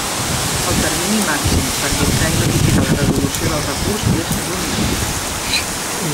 El termini màxim per dictar i notificar la resolució del recurs és d'un mes.